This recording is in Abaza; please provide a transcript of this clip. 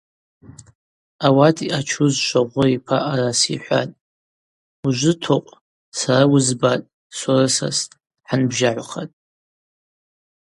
Ауат йъачуз Швогъвыр йпа араса йхӏватӏ: – Ужвы, Токъв, сара уызбатӏ, сурысастӏ, хӏанбжьагӏвхатӏ.